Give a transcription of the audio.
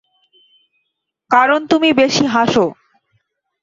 কারণ তুমি বেশি হাসো।